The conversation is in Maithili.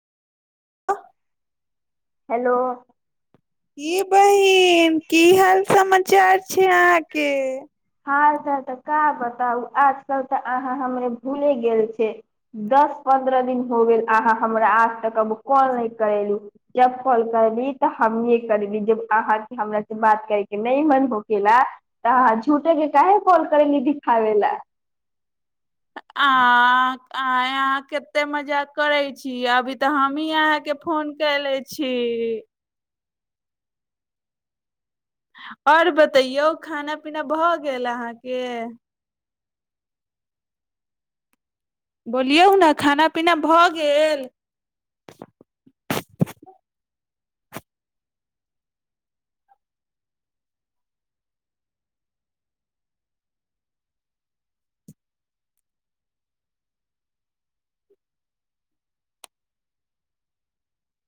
हेलो की बहिन की हाल समाचार छै अहाँके हाल चाल तऽ का बताउ आजकल तऽ अहाँ हमरे भूले गेल छी दस पन्द्रह दिन हो गेल अहाँ हमरा आज तक अब कॉल न करेलु जब कॉल करली तब हमे करली जब अहाँके हमरा से बात करे के नहि मन होखेला तऽ अहाँ झूठेके काहे कॉल कैली दिखाबे ला आ आंय अहाँ केते मजाक करै छी अभी तऽ हमही अहाँके फोन कैले छी आओर बतैयौ खाना पीना भऽ गेल अहाँके बोलियौ न खाना पीना भऽ गेल